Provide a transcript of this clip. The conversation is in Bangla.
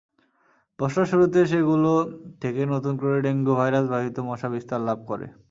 বর্ষার শুরুতে সেগুলো থেকে নতুন করে ডেঙ্গু ভাইরাসবাহিত মশা বিস্তার লাভ করে।